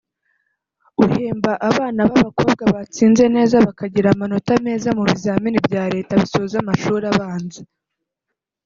uhemba abana b’abakobwa batsinze neza bakagira amanota meza mu bizamini bya Leta bisoza amashuri abanza